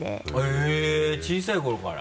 へぇ小さい頃から。